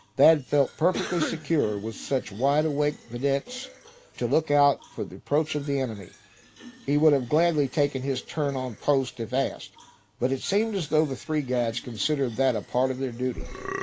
Thad felt perfectly secure with such wide awake videttes to look out for the approach of the enemy. He would have gladly taken his turn on post if asked; but it seemed as though the three guides considered that a part of their duty.